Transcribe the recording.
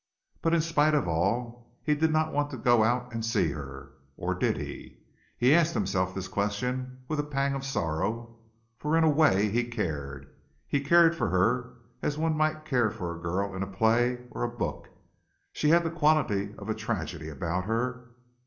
But in spite of all, he did not want to go out and see her. Or did he? He asked himself this question with a pang of sorrow, for in a way he cared. He cared for her as one might care for a girl in a play or book. She had the quality of a tragedy about her.